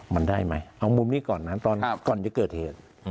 มันได้ไหมเอามุมนี้ก่อนนะตอนก่อนจะเกิดเหตุ